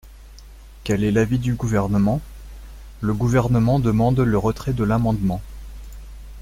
Quel est l’avis du Gouvernement ? Le Gouvernement demande le retrait de l’amendement.